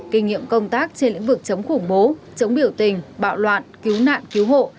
kinh nghiệm công tác trên lĩnh vực chống khủng bố chống biểu tình bạo loạn cứu nạn cứu hộ